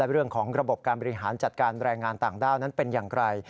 เรื่องของระบบการบริหารจัดการแรงงานต่างด้าวนั้นเป็นอย่างไร